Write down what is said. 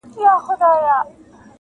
و تیارو ته مي له لمره پیغام راوړ,